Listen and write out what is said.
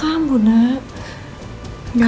kalau kamu mau jujur